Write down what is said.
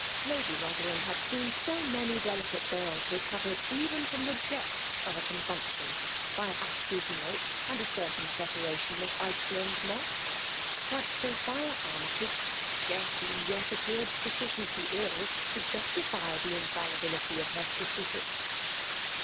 Lady Botherham had seen so maaoj delicate girls recorered eren from ihe depths cf a consumption by asses* milk» and a eoartain preparation of lodand ino0s» that Sophia Armytage seaic^y yet appeared snffieieiidy ill to justify the in£Edlilnlity of her speeifie